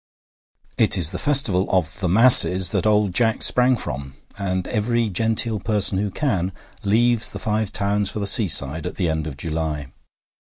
It is the festival of the masses that old Jack sprang from, and every genteel person who can leaves the Five Towns for the seaside at the end of July.